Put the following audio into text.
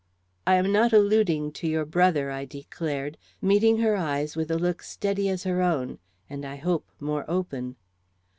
"I am not alluding to your brother," I declared, meeting her eyes with a look steady as her own, and I hope more open.